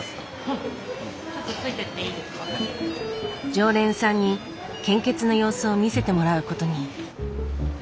常連さんに献血の様子を見せてもらうことに。